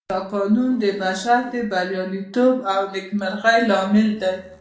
دا قانون د بشر د برياليتوب او نېکمرغۍ لامل دی.